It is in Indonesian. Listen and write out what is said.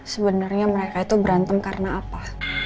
sebenarnya mereka itu berantem karena apa